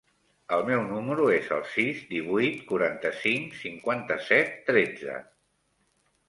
El meu número es el sis, divuit, quaranta-cinc, cinquanta-set, tretze.